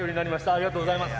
ありがとうございます。